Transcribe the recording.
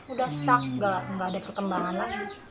udah stuck nggak ada perkembangan lagi